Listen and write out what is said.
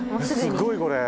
すっごいこれ。